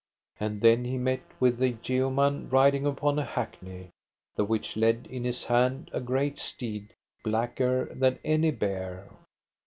And then he met with a yeoman riding upon an hackney, the which led in his hand a great steed blacker than any bear.